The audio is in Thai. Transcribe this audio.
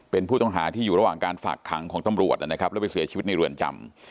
เป็นผู้ต้องหาที่อยู่ระหว่างการฝากขังของตำรวจนะครับแล้วไปเสียชีวิตในเรือนจำ